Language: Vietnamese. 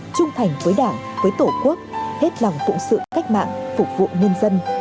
trung thành với đảng với tổ quốc hết lòng phụng sự cách mạng phục vụ nhân dân